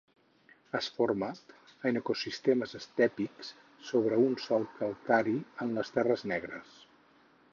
Es forma en ecosistemes estèpics sobre un sòl calcari en les terres negres.